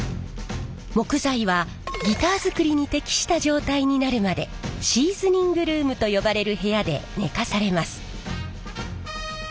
木材はギター作りに適した状態になるまでシーズニングルームと呼ばれる部屋で寝かされます。